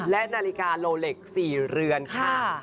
และนาฬิกาโลเล็ก๔เรือนค่ะ